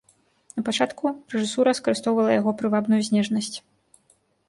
Напачатку рэжысура скарыстоўвала яго прывабную знешнасць.